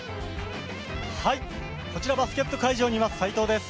こちらバスケット会場にいます斎藤です。